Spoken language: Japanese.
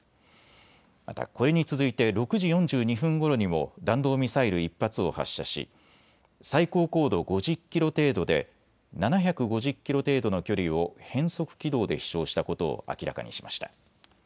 また、これに続いて６時４２分ごろにも弾道ミサイル１発を発射し最高高度５０キロ程度で７５０キロ程度の距離を変則軌道で飛しょうしたことを明らかにしました。